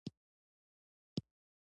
افغانستان په جواهرات غني دی.